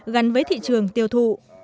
gắn với thị trường tiêu thụ